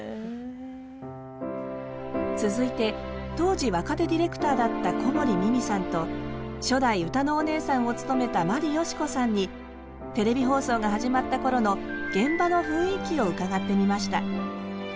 続いて当時若手ディレクターだった小森美巳さんと初代歌のお姉さんを務めた眞理ヨシコさんにテレビ放送が始まった頃の現場の雰囲気を伺ってみました。